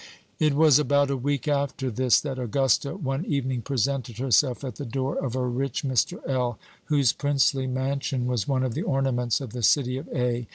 It was about a week after this that Augusta one evening presented herself at the door of a rich Mr. L., whose princely mansion was one of the ornaments of the city of A.